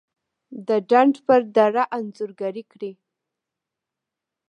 دډنډ پر دړه انځورګري کړي